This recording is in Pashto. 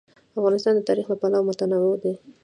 افغانستان د تاریخ له پلوه متنوع دی.